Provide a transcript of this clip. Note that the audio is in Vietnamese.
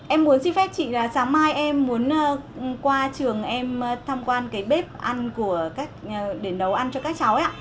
em muốn xin phép chị là sáng mai em muốn qua trường em tham quan cái bếp ăn để nấu ăn cho các cháu ấy ạ